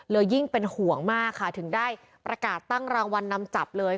ยิ่งเป็นห่วงมากค่ะถึงได้ประกาศตั้งรางวัลนำจับเลย